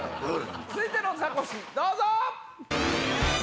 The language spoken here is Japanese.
続いてのザコシどうぞ！